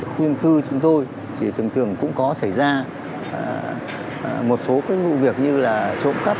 khuôn thư chúng tôi thì thường thường cũng có xảy ra một số cái vụ việc như là trộm cấp